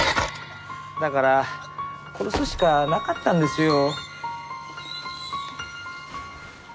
だから殺すしかなかったんですよ。